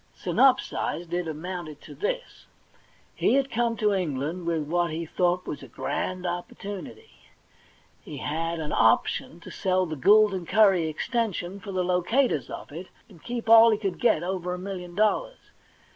Synop sised, it amounted to this : He had come to England with what he thought was a grand opportunity ; he had an * option' to sell the Gould and Curry Extension for the * locators ' of it, and keep all he could get over a million dollars.